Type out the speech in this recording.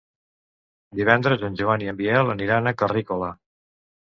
Divendres en Joan i en Biel aniran a Carrícola.